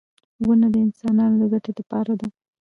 • ونه د انسانانو د ګټې لپاره ده.